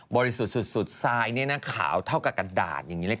บริสุทธิ์สุดสาวนี้ขาวเท่ากับกระดาษอย่างงี้เลย